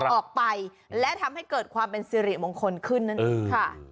ออกไปและทำให้เกิดความเป็นสิริมงคลขึ้นนั่นเองค่ะ